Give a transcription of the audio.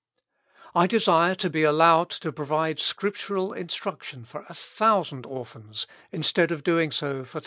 " I desire to be allowed to provide scriptural instruction for a thousand orphans, instead of doing so for 300.